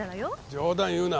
冗談言うな。